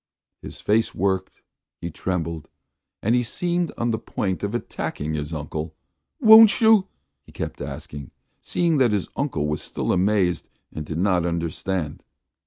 His face worked; he trembled, and seemed on the point of attacking his uncle. ... "Won't you?" he kept asking, seeing that his uncle was still amazed and did not understand.